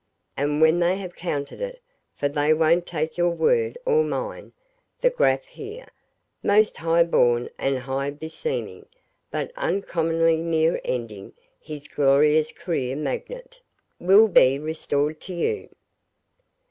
and when they have counted it (for they won't take your word or mine), the Graf here most high born and high beseeming, but uncommonly near ending his glorious career magnate will be restored to you.